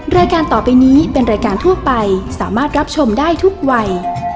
รายการต่อไปนี้เป็นรายการทั่วไปสามารถรับชมได้ทุกวัย